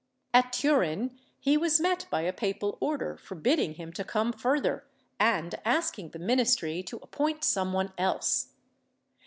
At Turin he was met by a papal order forbidding him to come further and asking the ministry to appoint some one else.